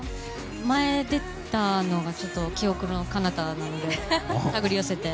前出たのがちょっと記憶のかなたなのでたぐり寄せて。